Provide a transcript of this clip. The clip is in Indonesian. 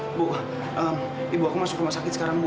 ibu wah ibu aku masuk rumah sakit sekarang bu